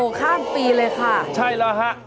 ข้ามปีเลยค่ะใช่แล้วฮะ